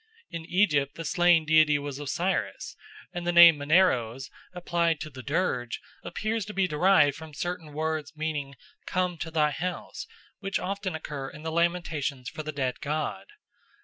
In Egypt the slain deity was Osiris, and the name Maneros, applied to the dirge, appears to be derived from certain words meaning "Come to thy house," which often occur in the lamentations for the dead god.